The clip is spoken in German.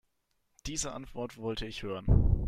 Diese Antwort wollte ich hören.